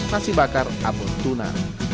nasi bakar apel tuna